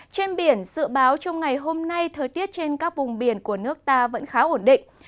trên biển dự báo trong ngày hôm nay thời tiết trên các vùng biển của nước ta vẫn khá ổn định